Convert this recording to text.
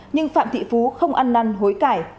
nhưng phạm thị phú không ăn năn hối cải